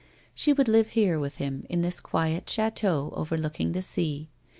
She would live here with him, in this quiet chateau over looking the sea.